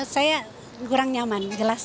saya kurang nyaman jelas